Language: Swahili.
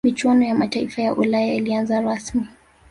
michuano ya mataifa ya ulaya ilianza rasmi